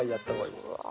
うわ。